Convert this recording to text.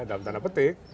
dalam tanah petik